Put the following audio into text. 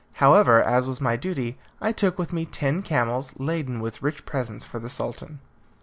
However, as was my duty, I took with me ten camels, laden with rich presents for the Sultan.